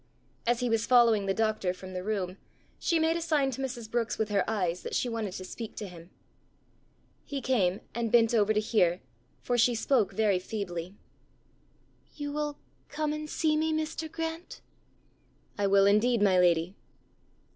As he was following the doctor from the room, she made a sign to Mrs. Brookes with her eyes that she wanted to speak to him. He came, and bent over to hear, for she spoke very feebly. "You will come and see me, Mr. Grant?" "I will, indeed, my lady."